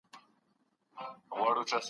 څارونوال ویله پلاره نې کوومه